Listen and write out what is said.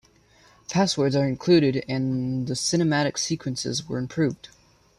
Passwords are included and the cinematic sequences were improved.